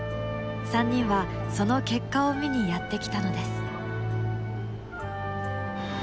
３人はその結果を見にやって来たのです。